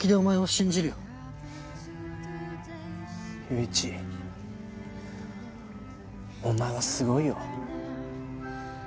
友一お前はすごいよ。